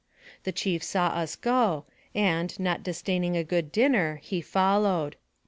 The chief saw us go, and, not disdaining a good din ner, he followed.